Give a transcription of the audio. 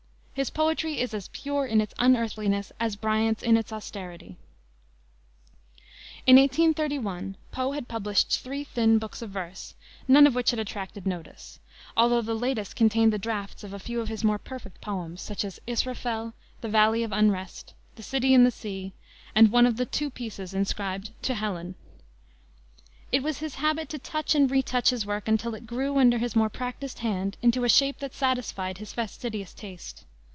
His poetry is as pure in its unearthliness as Bryant's in its austerity. By 1831 Poe had published three thin books of verse, none of which had attracted notice, although the latest contained the drafts of a few of his most perfect poems, such as Israfel, the Valley of Unrest, the City in the Sea, and one of the two pieces inscribed To Helen. It was his habit to touch and retouch his work until it grew under his more practiced hand into a shape that satisfied his fastidious taste.